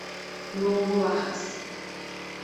No hubo bajas.